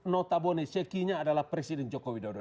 notabone cekinya adalah presiden jokowi dodo